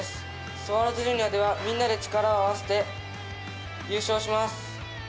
スワローズジュニアではみんなで力を合わせて優勝します。